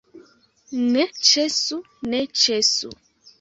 Ne ĉesu, ne ĉesu!